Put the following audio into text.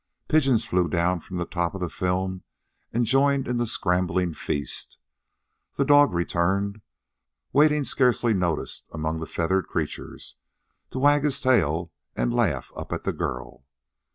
Pigeons flew down from the top of the film and joined in the scrambling feast. The dog returned, wading scarcely noticed among the feathered creatures, to wag his tail and laugh up at the girl.